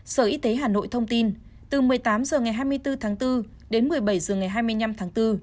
sở y tế hà nội thông tin từ một mươi tám h ngày hai mươi bốn tháng bốn đến một mươi bảy h ngày hai mươi năm tháng bốn